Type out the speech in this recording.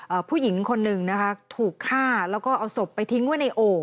ผู้หญิงคนหนึ่งนะคะถูกฆ่าแล้วก็เอาศพไปทิ้งไว้ในโอ่ง